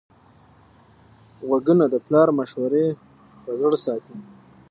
غوږونه د پلار مشورې په زړه ساتي